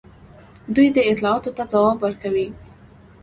دوی دې اطلاعاتو ته ځواب ورکوي.